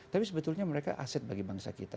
tapi sebetulnya mereka aset bagi bangsa kita